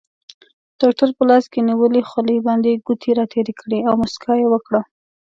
ډاکټر په لاس کې نیولې خولۍ باندې ګوتې راتېرې کړې او موسکا یې وکړه.